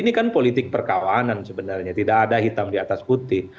ini kan politik perkawanan sebenarnya tidak ada hitam di atas putih